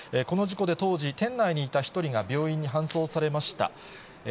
この事故で当時、店内にいた１人が病院に搬送されました。